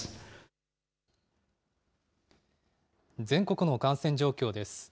全国の感染状況です。